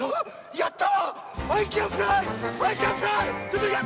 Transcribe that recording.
やったわ！